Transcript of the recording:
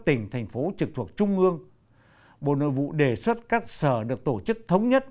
tỉnh thành phố trực thuộc trung ương bộ nội vụ đề xuất các sở được tổ chức thống nhất